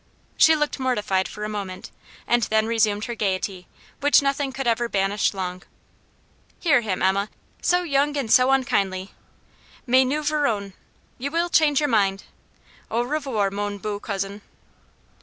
She looked mortified for a moment, and then resumed her gaiety, which nothing could ever banish long. "Hear him, Emma! So young and so unkindly! Mais nous verrons. You will change your mind. Au revoir, mon beau cousin."